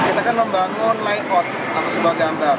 nah di sini kita kan membangun layout atau sebuah gambar